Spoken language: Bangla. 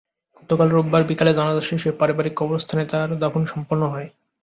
গতকাল রোববার বিকেলে জানাজা শেষে পারিবারিক কবরস্থানে তাঁর দাফন সম্পন্ন হয়।